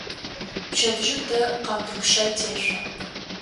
Пчэдыжьым тэ къалмыкъщай тешъо.